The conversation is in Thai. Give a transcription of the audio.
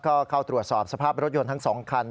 ก็เข้าตรวจสอบสภาพรถยนต์ทั้ง๒คัน